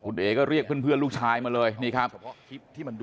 คุณเอก็เรียกเพื่อนลูกชายมาเลยนี่ครับ